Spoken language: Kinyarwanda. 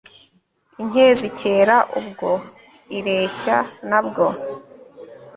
inkezi ikera ubwo ireshya na bwo